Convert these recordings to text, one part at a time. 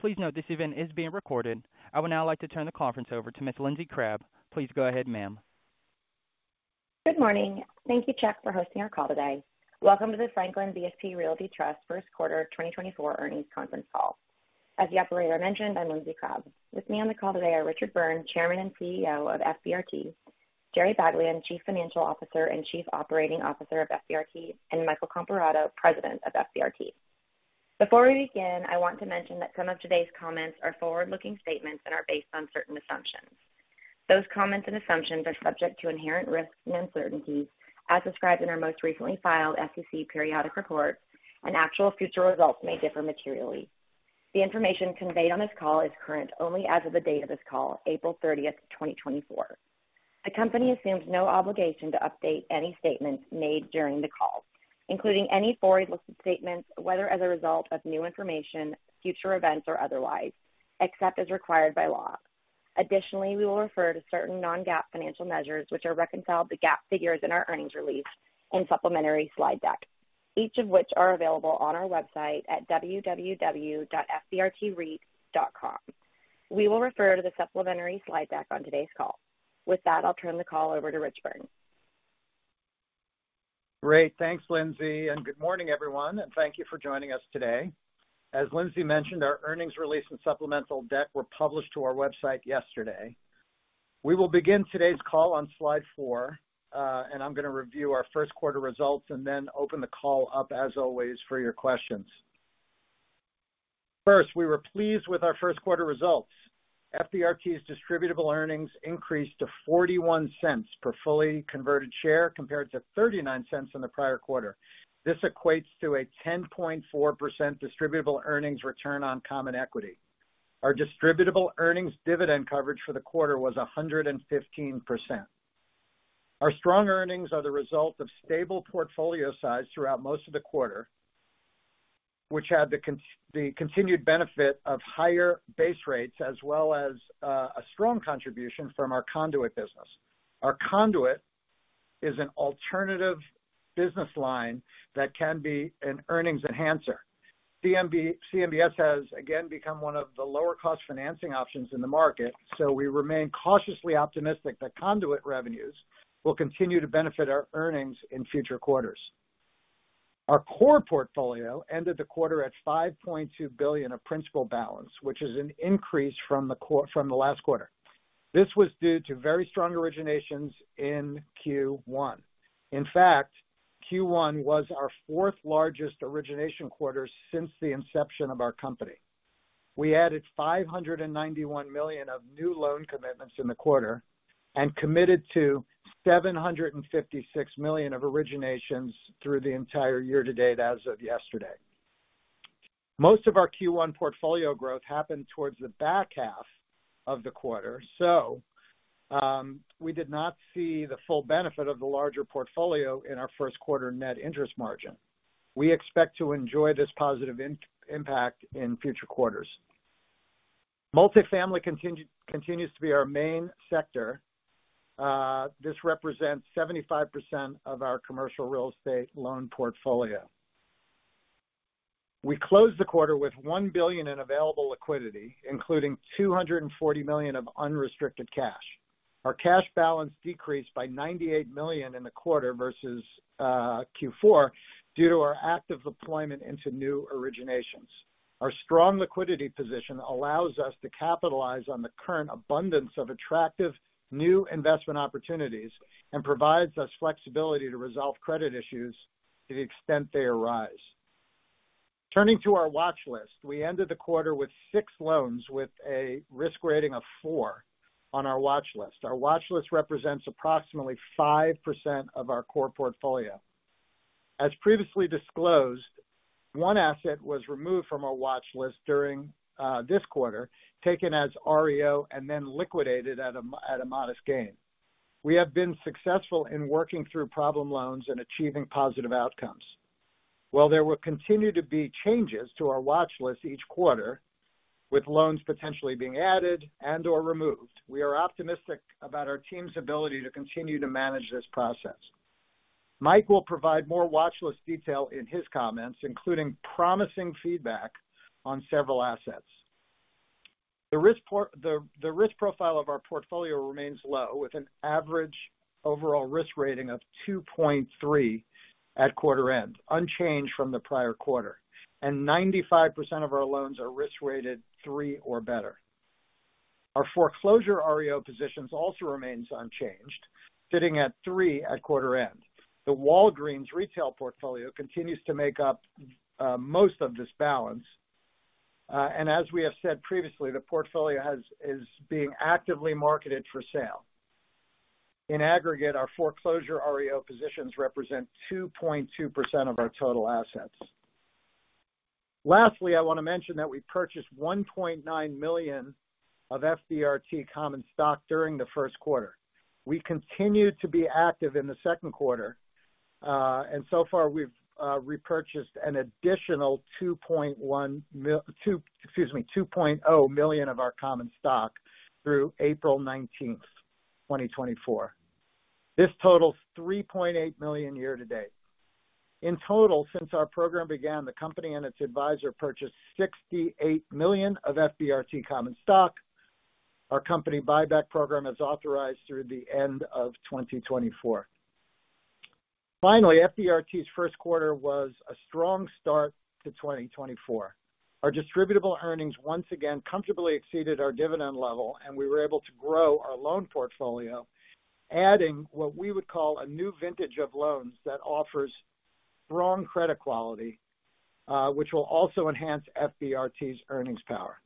Please note, this event is being recorded. I would now like to turn the conference over to Ms. Lindsay Crabbe. Please go ahead, ma'am. Good morning. Thank you, Chuck, for hosting our call today. Welcome to the Franklin BSP Realty Trust First Quarter 2024 Earnings Conference Call. As the operator mentioned, I'm Lindsay Crabbe. With me on the call today are Richard Byrne, Chairman and CEO of FBRT; Jerry Baglien, Chief Financial Officer and Chief Operating Officer of FBRT; and Michael Comparato, President of FBRT. Before we begin, I want to mention that some of today's comments are forward-looking statements and are based on certain assumptions. Those comments and assumptions are subject to inherent risks and uncertainties, as described in our most recently filed SEC periodic report, and actual future results may differ materially. The information conveyed on this call is current only as of the date of this call, April 30th, 2024. The company assumes no obligation to update any statements made during the call, including any forward-looking statements, whether as a result of new information, future events, or otherwise, except as required by law. Additionally, we will refer to certain non-GAAP financial measures which are reconciled to GAAP figures in our earnings release and supplementary slide deck, each of which are available on our website at www.fbrtreit.com. We will refer to the supplementary slide deck on today's call. With that, I'll turn the call over to Rich Byrne. Great. Thanks, Lindsay, and good morning, everyone, and thank you for joining us today. As Lindsay mentioned, our earnings release and supplemental deck were published to our website yesterday. We will begin today's call on slide 4, and I'm going to review our first quarter results and then open the call up, as always, for your questions. First, we were pleased with our first quarter results. FBRT's distributable earnings increased to $0.41 per fully converted share compared to $0.39 in the prior quarter. This equates to a 10.4% distributable earnings return on common equity. Our distributable earnings dividend coverage for the quarter was 115%. Our strong earnings are the result of stable portfolio size throughout most of the quarter, which had the continued benefit of higher base rates as well as a strong contribution from our conduit business. Our conduit is an alternative business line that can be an earnings enhancer. CMBS has, again, become one of the lower-cost financing options in the market, so we remain cautiously optimistic that conduit revenues will continue to benefit our earnings in future quarters. Our core portfolio ended the quarter at $5.2 billion of principal balance, which is an increase from the last quarter. This was due to very strong originations in Q1. In fact, Q1 was our fourth-largest origination quarter since the inception of our company. We added $591 million of new loan commitments in the quarter and committed to $756 million of originations through the entire year to date as of yesterday. Most of our Q1 portfolio growth happened towards the back half of the quarter, so we did not see the full benefit of the larger portfolio in our first quarter net interest margin. We expect to enjoy this positive impact in future quarters. Multifamily continues to be our main sector. This represents 75% of our commercial real estate loan portfolio. We closed the quarter with $1 billion in available liquidity, including $240 million of unrestricted cash. Our cash balance decreased by $98 million in the quarter versus Q4 due to our active deployment into new originations. Our strong liquidity position allows us to capitalize on the current abundance of attractive new investment opportunities and provides us flexibility to resolve credit issues to the extent they arise. Turning to our watchlist, we ended the quarter with 6 loans with a risk rating of 4 on our watchlist. Our watchlist represents approximately 5% of our core portfolio. As previously disclosed, one asset was removed from our watchlist during this quarter, taken as REO, and then liquidated at a modest gain. We have been successful in working through problem loans and achieving positive outcomes. While there will continue to be changes to our watchlist each quarter, with loans potentially being added and/or removed, we are optimistic about our team's ability to continue to manage this process. Mike will provide more watchlist detail in his comments, including promising feedback on several assets. The risk profile of our portfolio remains low, with an average overall risk rating of 2.3 at quarter end, unchanged from the prior quarter, and 95% of our loans are risk rated 3 or better. Our foreclosure REO positions also remain unchanged, sitting at 3 at quarter end. The Walgreens retail portfolio continues to make up most of this balance, and as we have said previously, the portfolio is being actively marketed for sale. In aggregate, our foreclosure REO positions represent 2.2% of our total assets. Lastly, I want to mention that we purchased 1.9 million of FBRT common stock during the first quarter. We continue to be active in the second quarter, and so far we've repurchased an additional 2.0 million of our common stock through April 19th, 2024. This totals 3.8 million year to date. In total, since our program began, the company and its advisor purchased 68 million of FBRT common stock. Our company buyback program is authorized through the end of 2024. Finally, FBRT's first quarter was a strong start to 2024. Our Distributable Earnings once again comfortably exceeded our dividend level, and we were able to grow our loan portfolio, adding what we would call a new vintage of loans that offers strong credit quality, which will also enhance FBRT's earnings power.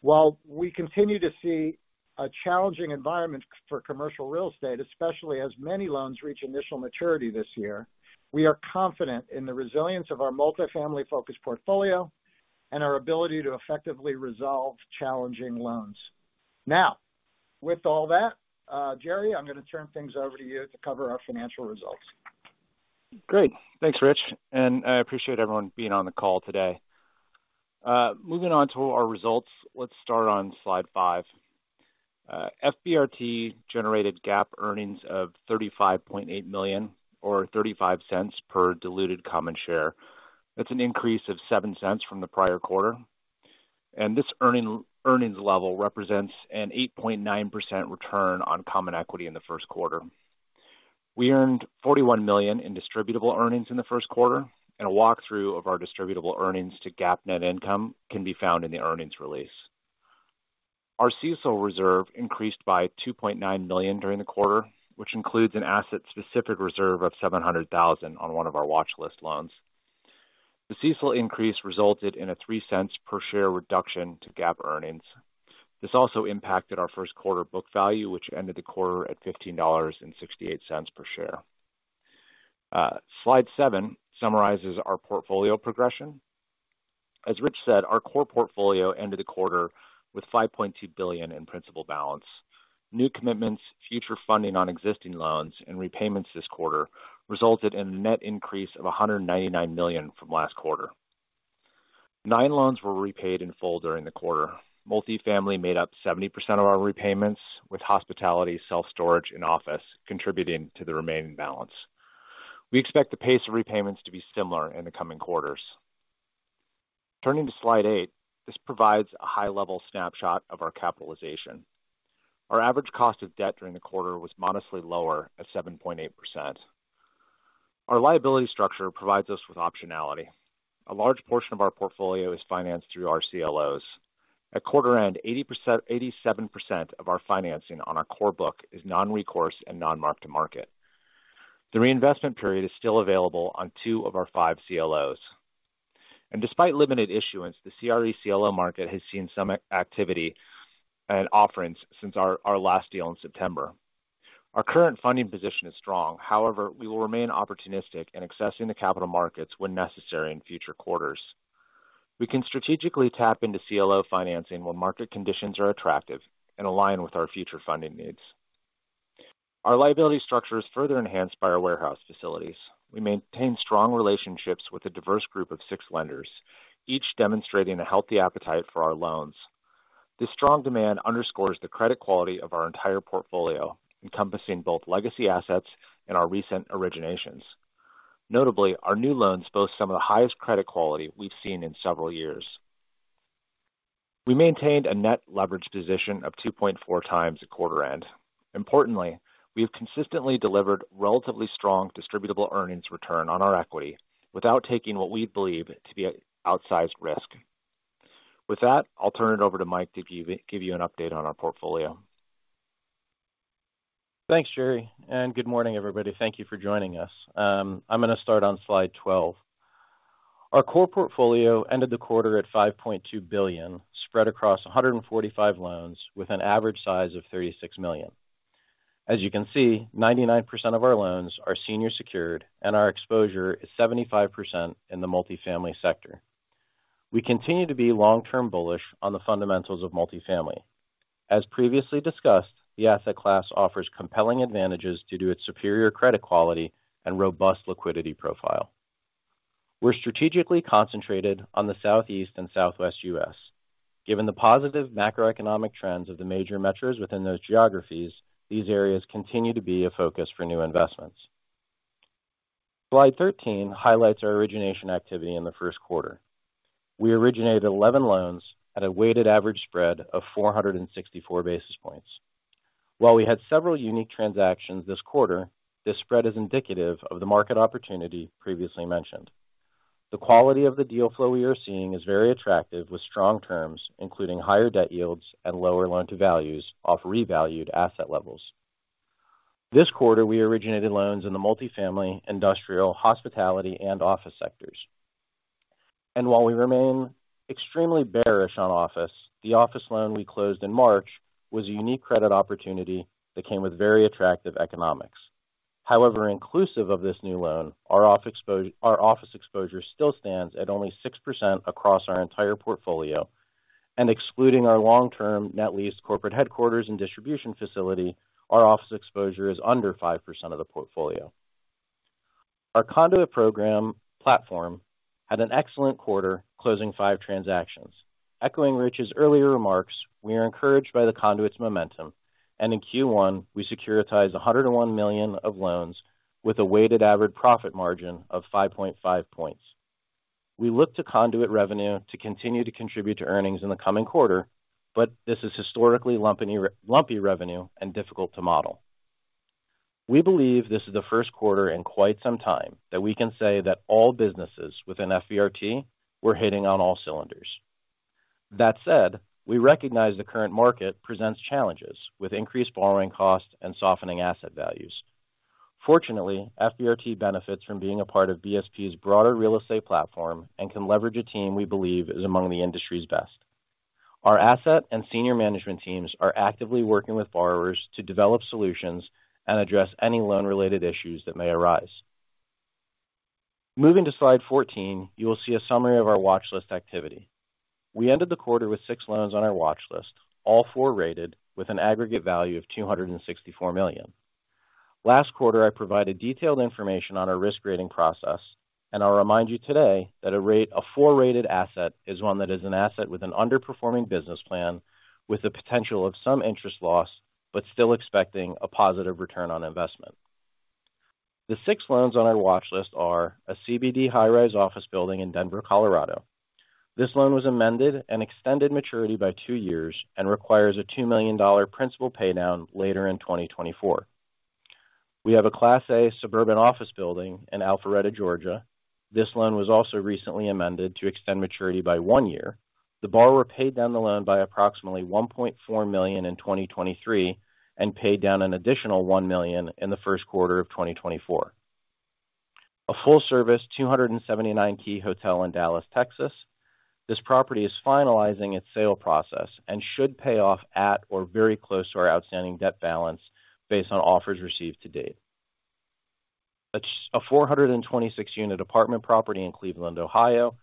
While we continue to see a challenging environment for commercial real estate, especially as many loans reach initial maturity this year, we are confident in the resilience of our multifamily-focused portfolio and our ability to effectively resolve challenging loans. Now, with all that, Jerry, I'm going to turn things over to you to cover our financial results. Great. Thanks, Rich, and I appreciate everyone being on the call today. Moving on to our results, let's start on slide 5. FBRT generated GAAP earnings of $35.8 million or $0.35 per diluted common share. That's an increase of $0.07 from the prior quarter, and this earnings level represents an 8.9% return on common equity in the first quarter. We earned $41 million in distributable earnings in the first quarter, and a walkthrough of our distributable earnings to GAAP net income can be found in the earnings release. Our CECL reserve increased by $2.9 million during the quarter, which includes an asset-specific reserve of $700,000 on one of our watchlist loans. The CECL increase resulted in a $0.03 per share reduction to GAAP earnings. This also impacted our first quarter book value, which ended the quarter at $15.68 per share. Slide 7 summarizes our portfolio progression. As Rich said, our core portfolio ended the quarter with $5.2 billion in principal balance. New commitments, future funding on existing loans, and repayments this quarter resulted in a net increase of $199 million from last quarter. Nine loans were repaid in full during the quarter. Multifamily made up 70% of our repayments, with hospitality, self-storage, and office contributing to the remaining balance. We expect the pace of repayments to be similar in the coming quarters. Turning to slide 8, this provides a high-level snapshot of our capitalization. Our average cost of debt during the quarter was modestly lower at 7.8%. Our liability structure provides us with optionality. A large portion of our portfolio is financed through our CLOs. At quarter end, 87% of our financing on our core book is non-recourse and non-mark-to-market. The reinvestment period is still available on two of our five CLOs. Despite limited issuance, the CRE CLO market has seen some activity and offerings since our last deal in September. Our current funding position is strong. However, we will remain opportunistic in accessing the capital markets when necessary in future quarters. We can strategically tap into CLO financing when market conditions are attractive and align with our future funding needs. Our liability structure is further enhanced by our warehouse facilities. We maintain strong relationships with a diverse group of six lenders, each demonstrating a healthy appetite for our loans. This strong demand underscores the credit quality of our entire portfolio, encompassing both legacy assets and our recent originations. Notably, our new loans boast some of the highest credit quality we've seen in several years. We maintained a net leverage position of 2.4 times at quarter end. Importantly, we have consistently delivered relatively strong distributable earnings return on our equity without taking what we believe to be outsized risk. With that, I'll turn it over to Mike to give you an update on our portfolio. Thanks, Jerry, and good morning, everybody. Thank you for joining us. I'm going to start on Slide 12. Our core portfolio ended the quarter at $5.2 billion, spread across 145 loans, with an average size of $36 million. As you can see, 99% of our loans are senior-secured, and our exposure is 75% in the multifamily sector. We continue to be long-term bullish on the fundamentals of multifamily. As previously discussed, the asset class offers compelling advantages due to its superior credit quality and robust liquidity profile. We're strategically concentrated on the Southeast and Southwest U.S. Given the positive macroeconomic trends of the major metros within those geographies, these areas continue to be a focus for new investments. Slide 13 highlights our origination activity in the first quarter. We originated 11 loans at a weighted average spread of 464 basis points. While we had several unique transactions this quarter, this spread is indicative of the market opportunity previously mentioned. The quality of the deal flow we are seeing is very attractive, with strong terms, including higher debt yields and lower loan-to-values off revalued asset levels. This quarter, we originated loans in the multifamily, industrial, hospitality, and office sectors. And while we remain extremely bearish on office, the office loan we closed in March was a unique credit opportunity that came with very attractive economics. However, inclusive of this new loan, our office exposure still stands at only 6% across our entire portfolio. And excluding our long-term net leased corporate headquarters and distribution facility, our office exposure is under 5% of the portfolio. Our conduit program platform had an excellent quarter, closing five transactions. Echoing Rich's earlier remarks, we are encouraged by the conduit's momentum, and in Q1, we securitized $101 million of loans with a weighted average profit margin of 5.5 points. We look to conduit revenue to continue to contribute to earnings in the coming quarter, but this is historically lumpy revenue and difficult to model. We believe this is the first quarter in quite some time that we can say that all businesses within FBRT were hitting on all cylinders. That said, we recognize the current market presents challenges, with increased borrowing costs and softening asset values. Fortunately, FBRT benefits from being a part of BSP's broader real estate platform and can leverage a team we believe is among the industry's best. Our asset and senior management teams are actively working with borrowers to develop solutions and address any loan-related issues that may arise. Moving to slide 14, you will see a summary of our watchlist activity. We ended the quarter with 6 loans on our watchlist, all 4 rated, with an aggregate value of $264 million. Last quarter, I provided detailed information on our risk rating process and I'll remind you today that a 4-rated asset is one that is an asset with an underperforming business plan with the potential of some interest loss but still expecting a positive return on investment. The 6 loans on our watchlist are a CBD high-rise office building in Denver, Colorado. This loan was amended and extended maturity by 2 years and requires a $2 million principal paydown later in 2024. We have a Class A suburban office building in Alpharetta, Georgia. This loan was also recently amended to extend maturity by 1 year. The borrower paid down the loan by approximately $1.4 million in 2023 and paid down an additional $1 million in the first quarter of 2024. A full-service 279-key hotel in Dallas, Texas. This property is finalizing its sale process and should pay off at or very close to our outstanding debt balance based on offers received to date. A 426-unit apartment property in Cleveland, Ohio,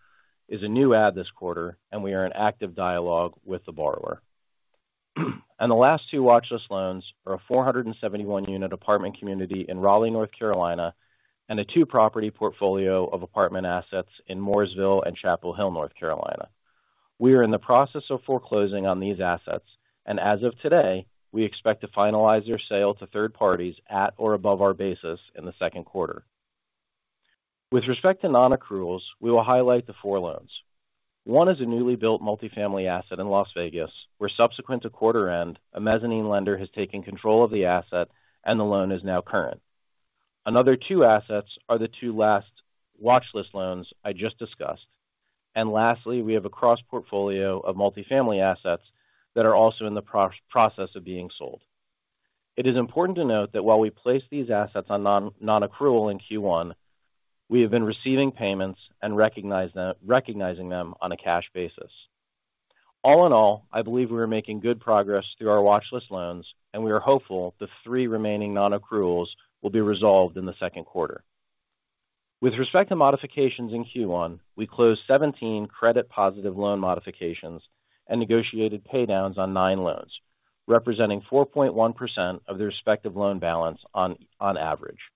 is a new add this quarter, and we are in active dialogue with the borrower. The last two watchlist loans are a 471-unit apartment community in Raleigh, North Carolina, and a two-property portfolio of apartment assets in Mooresville and Chapel Hill, North Carolina. We are in the process of foreclosing on these assets, and as of today, we expect to finalize their sale to third parties at or above our basis in the second quarter. With respect to non-accruals, we will highlight the four loans. One is a newly built multifamily asset in Las Vegas, where subsequent to quarter end, a mezzanine lender has taken control of the asset, and the loan is now current. Another two assets are the two last watchlist loans I just discussed. Lastly, we have a cross-portfolio of multifamily assets that are also in the process of being sold. It is important to note that while we placed these assets on non-accrual in Q1, we have been receiving payments and recognizing them on a cash basis. All in all, I believe we are making good progress through our watchlist loans, and we are hopeful the three remaining non-accruals will be resolved in the second quarter. With respect to modifications in Q1, we closed 17 credit-positive loan modifications and negotiated paydowns on 9 loans, representing 4.1% of the respective loan balance on average.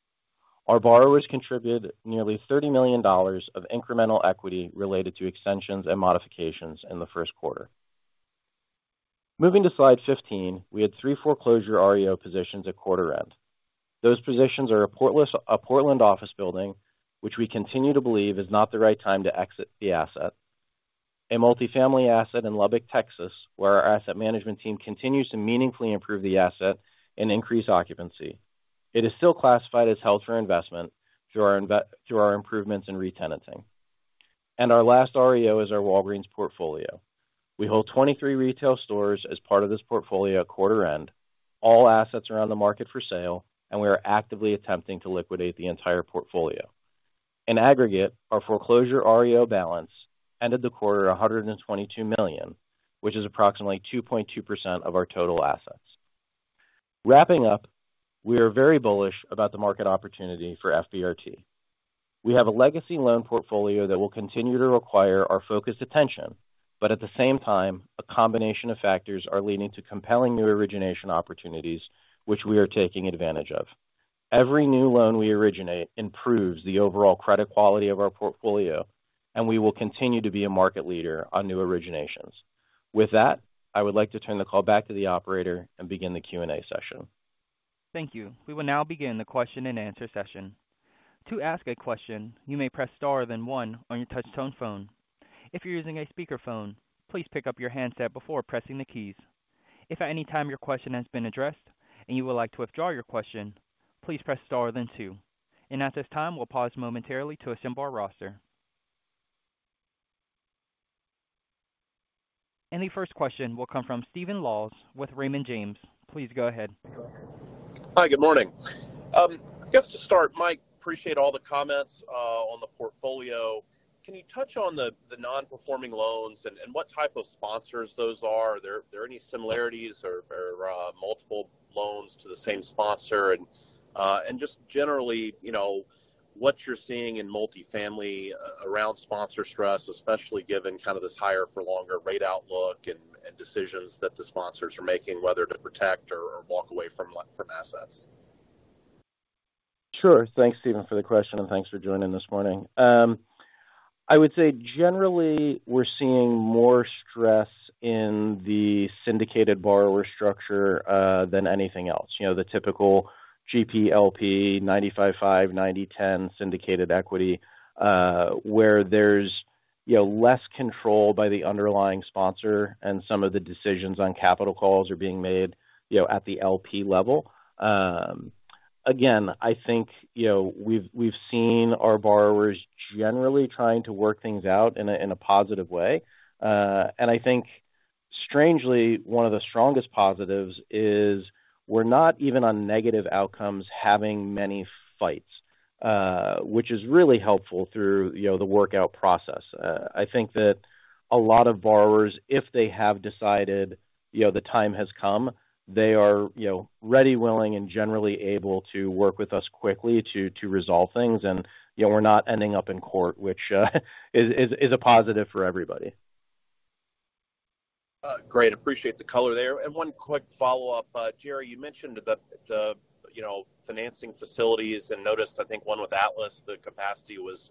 Our borrowers contributed nearly $30 million of incremental equity related to extensions and modifications in the first quarter. Moving to slide 15, we had 3 foreclosure REO positions at quarter end. Those positions are a Portland office building, which we continue to believe is not the right time to exit the asset. A multifamily asset in Lubbock, Texas, where our asset management team continues to meaningfully improve the asset and increase occupancy. It is still classified as held for investment through our improvements in re-tenanting. And our last REO is our Walgreens portfolio. We hold 23 retail stores as part of this portfolio at quarter end, all assets around the market for sale, and we are actively attempting to liquidate the entire portfolio. In aggregate, our foreclosure REO balance ended the quarter at $122 million, which is approximately 2.2% of our total assets. Wrapping up, we are very bullish about the market opportunity for FBRT. We have a legacy loan portfolio that will continue to require our focused attention, but at the same time, a combination of factors are leading to compelling new origination opportunities, which we are taking advantage of. Every new loan we originate improves the overall credit quality of our portfolio, and we will continue to be a market leader on new originations. With that, I would like to turn the call back to the operator and begin the Q&A session. Thank you. We will now begin the question-and-answer session. To ask a question, you may press star, then one on your touch-tone phone. If you're using a speakerphone, please pick up your handset before pressing the keys. If at any time your question has been addressed and you would like to withdraw your question, please press star, then two. And at this time, we'll pause momentarily to assemble our roster. And the first question will come from Stephen Laws with Raymond James. Please go ahead. Hi. Good morning. I guess to start, Mike, appreciate all the comments on the portfolio. Can you touch on the non-performing loans and what type of sponsors those are? Are there any similarities or multiple loans to the same sponsor? And just generally, what you're seeing in multifamily around sponsor stress, especially given kind of this higher-for-longer rate outlook and decisions that the sponsors are making, whether to protect or walk away from assets? Sure. Thanks, Stephen, for the question, and thanks for joining this morning. I would say generally, we're seeing more stress in the syndicated borrower structure than anything else, the typical GP/LP, 95/5, 90/10 syndicated equity, where there's less control by the underlying sponsor and some of the decisions on capital calls are being made at the LP level. Again, I think we've seen our borrowers generally trying to work things out in a positive way. And I think, strangely, one of the strongest positives is we're not even on negative outcomes having many fights, which is really helpful through the workout process. I think that a lot of borrowers, if they have decided the time has come, they are ready, willing, and generally able to work with us quickly to resolve things. And we're not ending up in court, which is a positive for everybody. Great. Appreciate the color there. And one quick follow-up. Jerry, you mentioned the financing facilities and noticed, I think, one with Atlas, the capacity was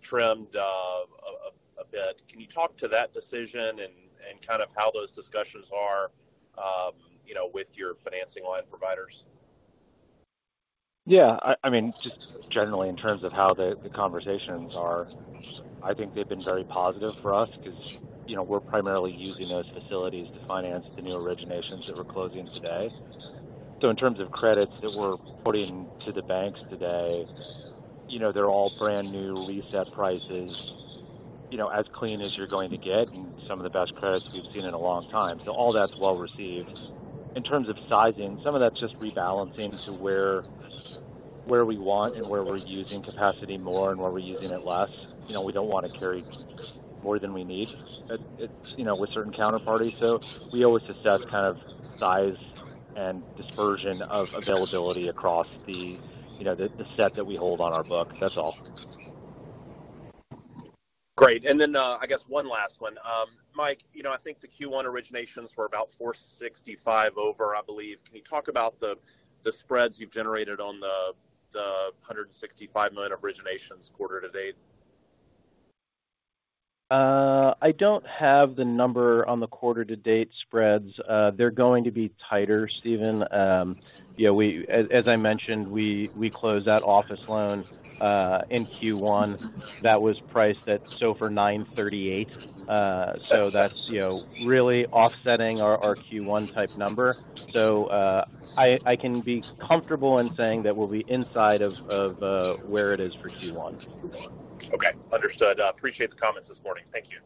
trimmed a bit. Can you talk to that decision and kind of how those discussions are with your financing line providers? Yeah. I mean, just generally, in terms of how the conversations are, I think they've been very positive for us because we're primarily using those facilities to finance the new originations that we're closing today. So in terms of credits that we're putting to the banks today, they're all brand new reset prices, as clean as you're going to get, and some of the best credits we've seen in a long time. So all that's well received. In terms of sizing, some of that's just rebalancing to where we want and where we're using capacity more and where we're using it less. We don't want to carry more than we need with certain counterparties. So we always assess kind of size and dispersion of availability across the set that we hold on our book. That's all. Great. And then I guess one last one. Mike, I think the Q1 originations were about $465 or, I believe. Can you talk about the spreads you've generated on the $165 million originations quarter to date? I don't have the number on the quarter-to-date spreads. They're going to be tighter, Stephen. As I mentioned, we closed that office loan in Q1. That was priced at SOFR + 938. So that's really offsetting our Q1-type number. So I can be comfortable in saying that we'll be inside of where it is for Q1. Okay. Understood. Appreciate the comments this morning. Thank you.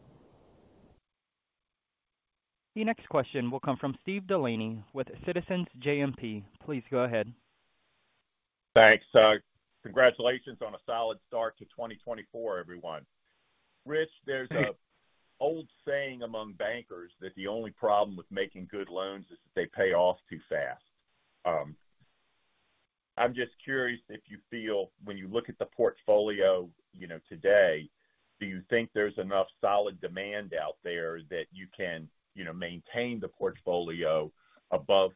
The next question will come from Steve Delaney with Citizens JMP. Please go ahead. Thanks. Congratulations on a solid start to 2024, everyone. Rich, there's an old saying among bankers that the only problem with making good loans is that they pay off too fast. I'm just curious if you feel, when you look at the portfolio today, do you think there's enough solid demand out there that you can maintain the portfolio above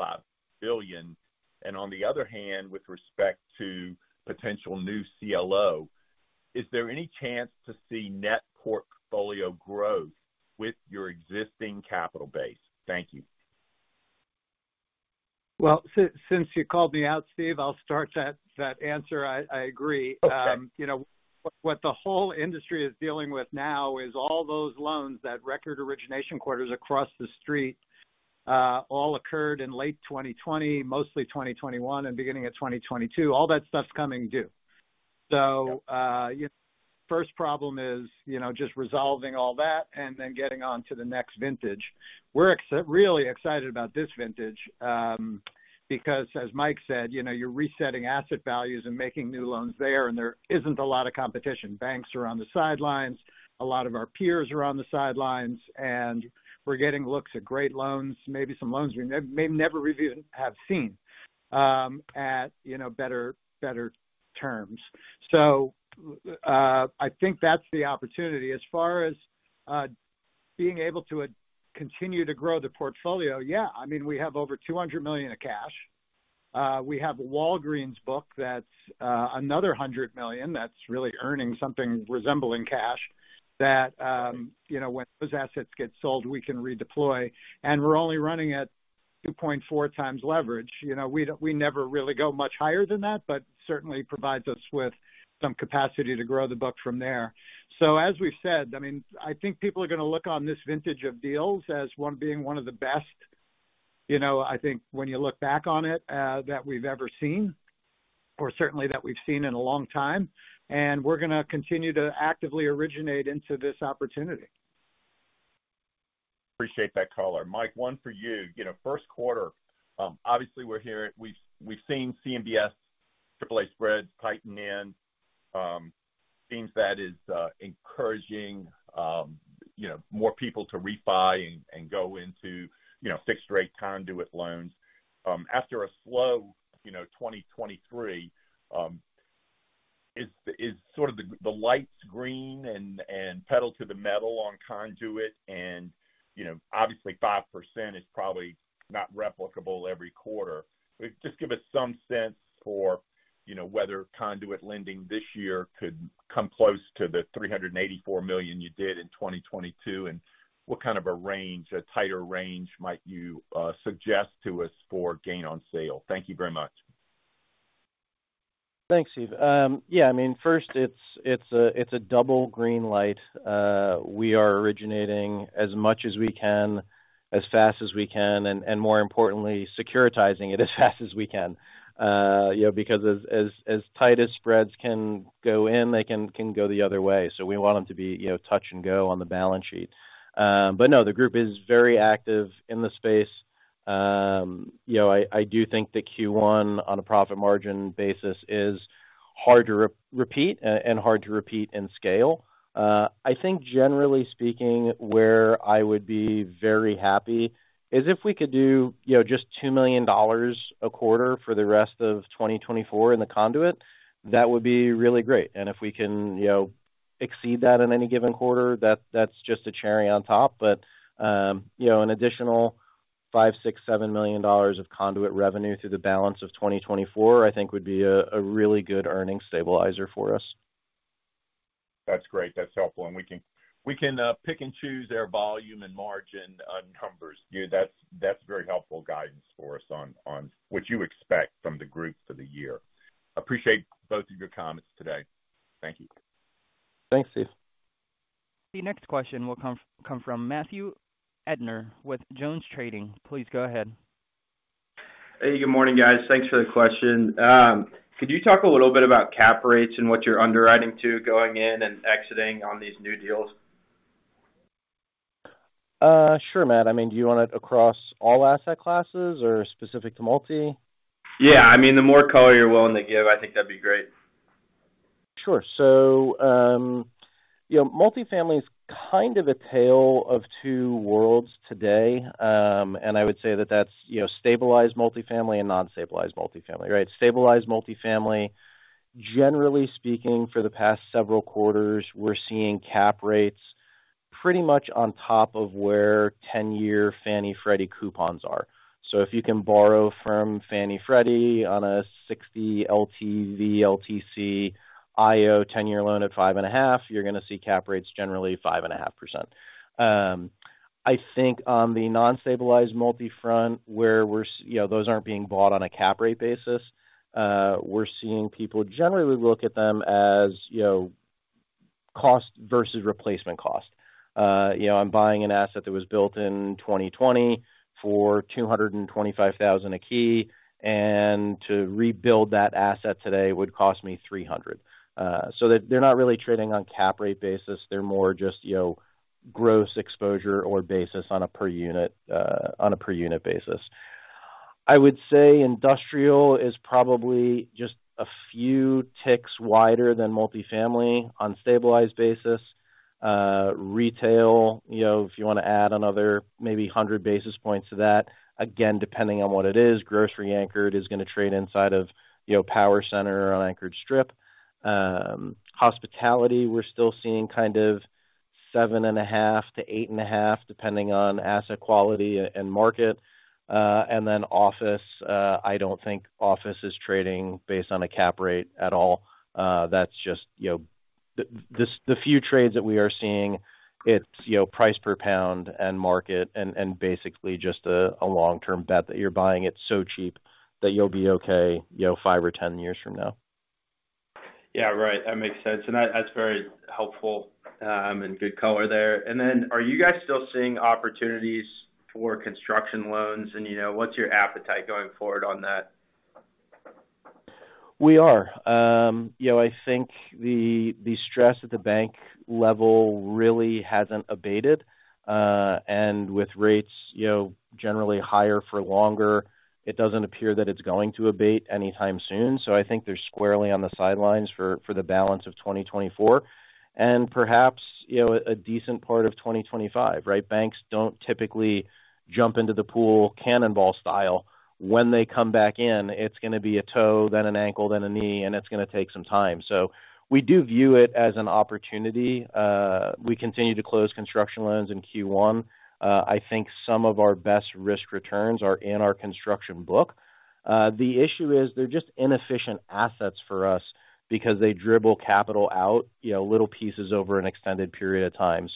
$5 billion? And on the other hand, with respect to potential new CLO, is there any chance to see net portfolio growth with your existing capital base? Thank you. Well, since you called me out, Steve, I'll start that answer. I agree. What the whole industry is dealing with now is all those loans that record origination quarters across the street all occurred in late 2020, mostly 2021, and beginning of 2022. All that stuff's coming due. So first problem is just resolving all that and then getting on to the next vintage. We're really excited about this vintage because, as Mike said, you're resetting asset values and making new loans there, and there isn't a lot of competition. Banks are on the sidelines. A lot of our peers are on the sidelines, and we're getting looks at great loans, maybe some loans we may never have seen at better terms. So I think that's the opportunity. As far as being able to continue to grow the portfolio, yeah, I mean, we have over $200 million in cash. We have Walgreens' book that's another $100 million that's really earning something resembling cash that when those assets get sold, we can redeploy. We're only running at 2.4x leverage. We never really go much higher than that, but it certainly provides us with some capacity to grow the book from there. As we've said, I mean, I think people are going to look on this vintage of deals as being one of the best, I think, when you look back on it, that we've ever seen or certainly that we've seen in a long time. We're going to continue to actively originate into this opportunity. Appreciate that, caller. Mike, one for you. First quarter, obviously, we've seen CMBS AAA spreads tighten in. Seems that is encouraging more people to rebuy and go into fixed-rate conduit loans. After a slow 2023, is sort of the lights green and pedal to the metal on conduit? And obviously, 5% is probably not replicable every quarter. Just give us some sense for whether conduit lending this year could come close to the $384 million you did in 2022, and what kind of a range, a tighter range might you suggest to us for gain on sale? Thank you very much. Thanks, Steve. Yeah. I mean, first, it's a double green light. We are originating as much as we can, as fast as we can, and more importantly, securitizing it as fast as we can because as tight as spreads can go in, they can go the other way. So we want them to be touch and go on the balance sheet. But no, the group is very active in the space. I do think that Q1, on a profit margin basis, is hard to repeat and hard to repeat in scale. I think, generally speaking, where I would be very happy is if we could do just $2 million a quarter for the rest of 2024 in the conduit, that would be really great. And if we can exceed that in any given quarter, that's just a cherry on top. An additional $5-$7 million of conduit revenue through the balance of 2024, I think, would be a really good earnings stabilizer for us. That's great. That's helpful. We can pick and choose our volume and margin numbers. That's very helpful guidance for us on what you expect from the group for the year. Appreciate both of your comments today. Thank you. Thanks, Steve. The next question will come from Matthew Erdner with JonesTrading. Please go ahead. Hey, good morning, guys. Thanks for the question. Could you talk a little bit about cap rates and what you're underwriting to going in and exiting on these new deals? Sure, Matt. I mean, do you want it across all asset classes or specific to multi? Yeah. I mean, the more color you're willing to give, I think that'd be great. Sure. So multifamily is kind of a tale of two worlds today. And I would say that that's stabilized multifamily and non-stabilized multifamily, right? Stabilized multifamily, generally speaking, for the past several quarters, we're seeing cap rates pretty much on top of where 10-year Fannie Freddie coupons are. So if you can borrow from Fannie Freddie on a 60 LTV, LTC, IO 10-year loan at 5.5%, you're going to see cap rates generally 5.5%. I think on the non-stabilized multi front, where those aren't being bought on a cap rate basis, we're seeing people generally look at them as cost versus replacement cost. I'm buying an asset that was built in 2020 for $225,000 a key, and to rebuild that asset today would cost me $300,000. So they're not really trading on cap rate basis. They're more just gross exposure or basis on a per unit basis. I would say industrial is probably just a few ticks wider than multifamily on stabilized basis. Retail, if you want to add another maybe 100 basis points to that, again, depending on what it is, grocery anchored is going to trade inside of power center or an anchored strip. Hospitality, we're still seeing kind of 7.5-8.5, depending on asset quality and market. And then office, I don't think office is trading based on a cap rate at all. That's just the few trades that we are seeing, it's price per pound and market and basically just a long-term bet that you're buying it so cheap that you'll be okay 5 or 10 years from now. Yeah. Right. That makes sense. And that's very helpful and good color there. And then are you guys still seeing opportunities for construction loans? And what's your appetite going forward on that? We are. I think the stress at the bank level really hasn't abated. With rates generally higher for longer, it doesn't appear that it's going to abate anytime soon. So I think they're squarely on the sidelines for the balance of 2024 and perhaps a decent part of 2025, right? Banks don't typically jump into the pool cannonball style. When they come back in, it's going to be a toe, then an ankle, then a knee, and it's going to take some time. So we do view it as an opportunity. We continue to close construction loans in Q1. I think some of our best risk returns are in our construction book. The issue is they're just inefficient assets for us because they dribble capital out little pieces over an extended period of time.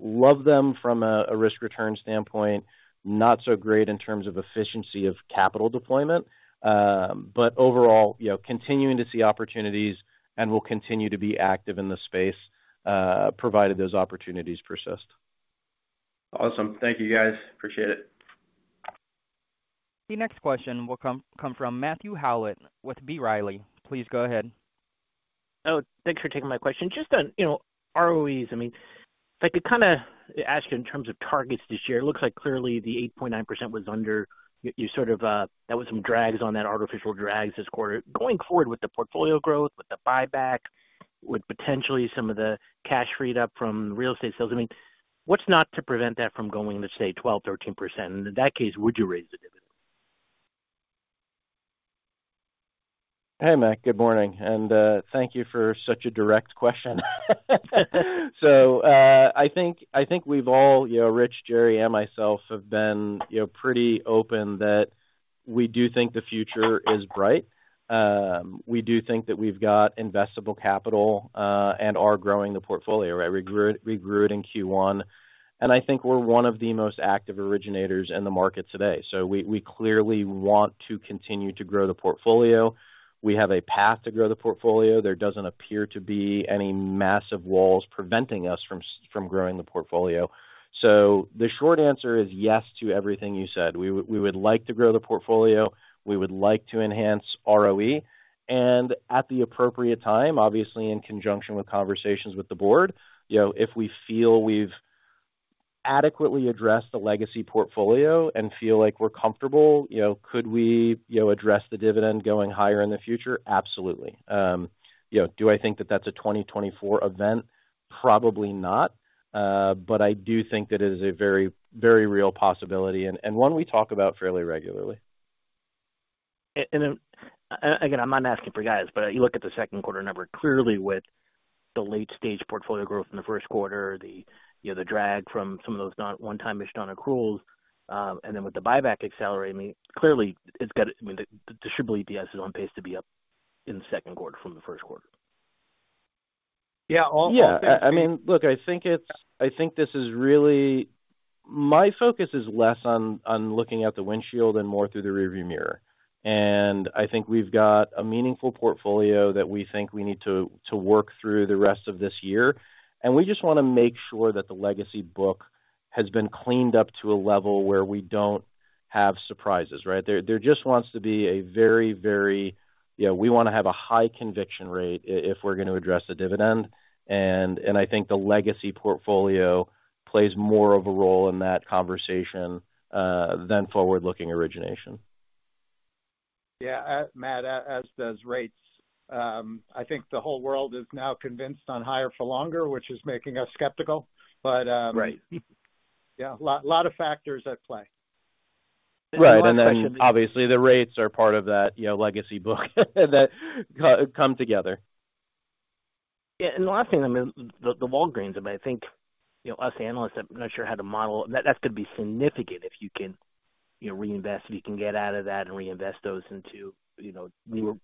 Love them from a risk-return standpoint, not so great in terms of efficiency of capital deployment, but overall, continuing to see opportunities and will continue to be active in the space provided those opportunities persist. Awesome. Thank you, guys. Appreciate it. The next question will come from Matthew Howlett with B. Riley. Please go ahead. Oh, thanks for taking my question. Just on ROEs, I mean, if I could kind of ask you in terms of targets this year, it looks like clearly the 8.9% was under your sort of that was some drags on that artificial drags this quarter. Going forward with the portfolio growth, with the buyback, with potentially some of the cash freed up from real estate sales, I mean, what's not to prevent that from going to, say, 12%-13%? And in that case, would you raise the dividend? Hey, Matt. Good morning. Thank you for such a direct question. So I think we've all, Rich, Jerry, and myself, have been pretty open that we do think the future is bright. We do think that we've got investable capital and are growing the portfolio, right? We grew it in Q1. I think we're one of the most active originators in the market today. So we clearly want to continue to grow the portfolio. We have a path to grow the portfolio. There doesn't appear to be any massive walls preventing us from growing the portfolio. So the short answer is yes to everything you said. We would like to grow the portfolio. We would like to enhance ROE. At the appropriate time, obviously, in conjunction with conversations with the board, if we feel we've adequately addressed the legacy portfolio and feel like we're comfortable, could we address the dividend going higher in the future? Absolutely. Do I think that that's a 2024 event? Probably not. But I do think that it is a very, very real possibility and one we talk about fairly regularly. And again, I'm not asking for guys, but you look at the second quarter number. Clearly, with the late-stage portfolio growth in the first quarter, the drag from some of those one-time-ish down accruals, and then with the buyback accelerating, I mean, clearly, it's got to, I mean, the distributed EPS is on pace to be up in the second quarter from the first quarter. Yeah. I mean, look, I think this is really my focus: less on looking at the windshield and more through the rearview mirror. And I think we've got a meaningful portfolio that we think we need to work through the rest of this year. And we just want to make sure that the legacy book has been cleaned up to a level where we don't have surprises, right? We want to have a high conviction rate if we're going to address a dividend. And I think the legacy portfolio plays more of a role in that conversation than forward-looking origination. Yeah. Matt, as does rates. I think the whole world is now convinced on higher for longer, which is making us skeptical. But yeah, a lot of factors at play. Right. And then obviously, the rates are part of that legacy book that come together. Yeah. And the last thing, I mean, the Walgreens thing, but I think us analysts are not sure how to model that's going to be significant if you can reinvest, if you can get out of that and reinvest those into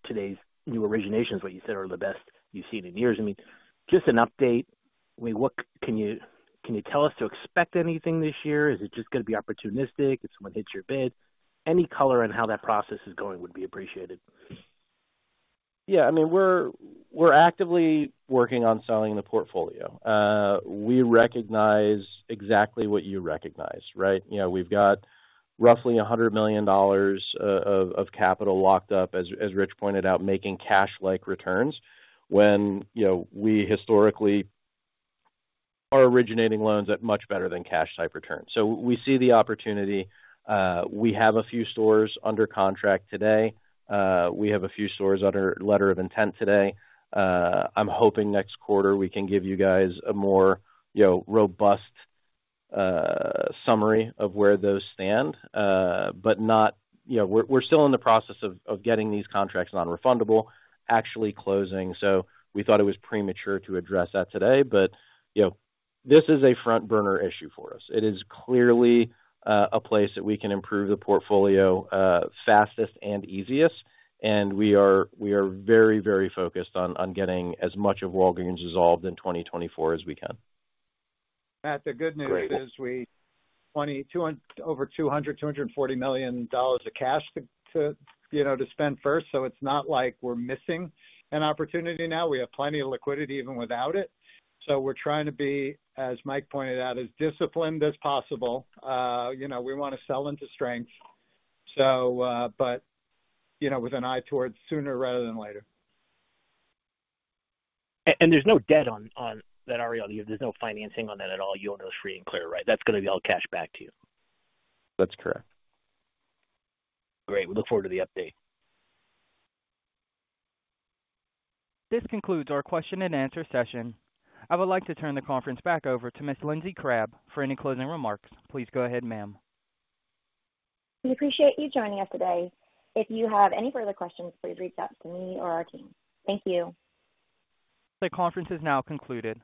today's new originations, what you said are the best you've seen in years. I mean, just an update. I mean, what can you tell us to expect anything this year? Is it just going to be opportunistic if someone hits your bid? Any color on how that process is going would be appreciated. Yeah. I mean, we're actively working on selling the portfolio. We recognize exactly what you recognize, right? We've got roughly $100 million of capital locked up, as Rich pointed out, making cash-like returns when we historically are originating loans at much better than cash-type returns. So we see the opportunity. We have a few stores under contract today. We have a few stores under letter of intent today. I'm hoping next quarter, we can give you guys a more robust summary of where those stand, but we're still in the process of getting these contracts non-refundable, actually closing. So we thought it was premature to address that today. But this is a front-burner issue for us. It is clearly a place that we can improve the portfolio fastest and easiest. And we are very, very focused on getting as much of Walgreens dissolved in 2024 as we can. Matt, the good news is we're over $200, $240 million of cash to spend first. So it's not like we're missing an opportunity now. We have plenty of liquidity even without it. So we're trying to be, as Mike pointed out, as disciplined as possible. We want to sell into strength, but with an eye toward sooner rather than later. There's no debt on that REO deal. There's no financing on that at all. You own those free and clear, right? That's going to be all cash back to you. That's correct. Great. We look forward to the update. This concludes our question-and-answer session. I would like to turn the conference back over to Ms. Lindsay Crabbe for any closing remarks. Please go ahead, ma'am. We appreciate you joining us today. If you have any further questions, please reach out to me or our team. Thank you. The conference is now concluded.